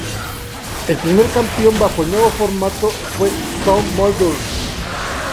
El primer campeón bajo el nuevo formato fue South Melbourne.